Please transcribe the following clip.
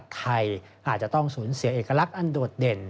ไทยอาจจะต้องสูญเสียเอกลักษณ์อันโดดเด่น